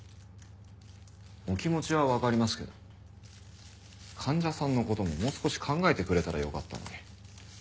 お気持ちはわかりますけど患者さんの事ももう少し考えてくれたらよかったのに。